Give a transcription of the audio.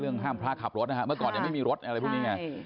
ห้ามพระขับรถนะฮะเมื่อก่อนยังไม่มีรถอะไรพวกนี้ไง